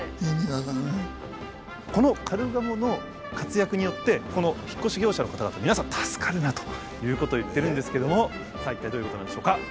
このカルガモの活躍によってこの引っ越し業者の方々皆さん助かるなあということを言ってるんですけどもさあ一体どういうことなんでしょうか。